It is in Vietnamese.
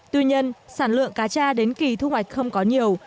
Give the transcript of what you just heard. tuy nhiên sản lượng cá cha đến kỳ thu hoạch không có nhiều